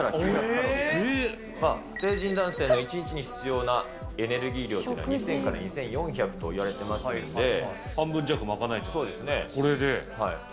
成人男性の１日に必要なエネルギー量というのは２０００から２４００と言われてますんで、半分弱賄えちゃうということそうですね。